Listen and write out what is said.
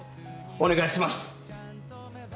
お願いします。